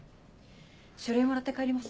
書類もらって帰ります。